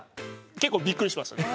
結構びっくりしましたね。